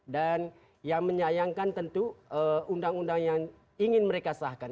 dan yang menyayangkan tentu undang undang yang ingin mereka sahkan